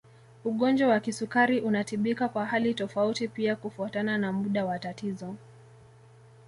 Ugonjwa wa kisukari unatibika kwa hali tofauti pia kufuatana na muda wa tatizo